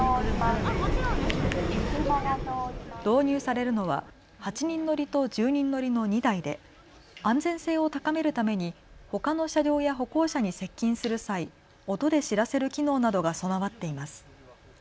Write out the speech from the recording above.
導入されるのは８人乗りと１０人乗りの２台で安全性を高めるためにほかの車両や歩行者に接近する際、音で知らせる機能などが備わっています。